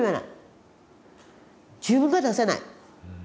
自分が出せない。